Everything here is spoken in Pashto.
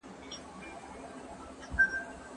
ایا ته خټکی خوړلی دی؟